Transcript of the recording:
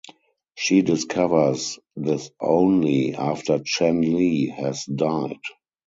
She discovers this only after Chen-li has died.